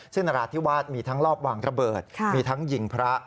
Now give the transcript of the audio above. ซึ่งนราธิวาสมีทั้งรอบวางระเบิดมีทั้งยิงพระ